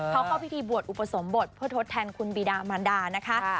เขาเข้าพิธีบวชอุปสมบทเพื่อทดแทนคุณบีดามันดานะคะ